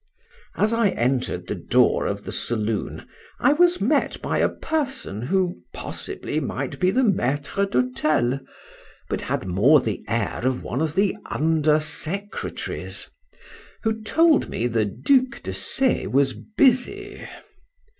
As I entered the door of the saloon I was met by a person, who possibly might be the maître d'hôtel, but had more the air of one of the under secretaries, who told me the Duc de C— was busy.